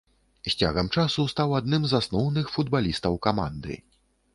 З цягам часу стаў адным з асноўных футбалістаў каманды.